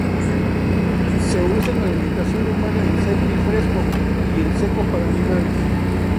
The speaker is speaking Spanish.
Se usa en alimentación humana en seco y fresco y en seco para animales.